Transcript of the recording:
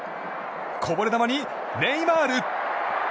こぼれ球にネイマール！